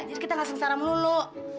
jadi kita gak sengsara melulu